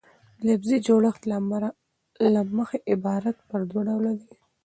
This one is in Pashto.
د لفظي جوړښت له مخه عبارت پر دوه ډوله ډﺉ.